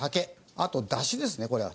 あと出汁ですねこれは。